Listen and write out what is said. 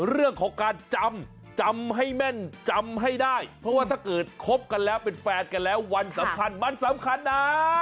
เรื่องของการจำจำให้แม่นจำให้ได้เพราะว่าถ้าเกิดคบกันแล้วเป็นแฟนกันแล้ววันสำคัญมันสำคัญนะ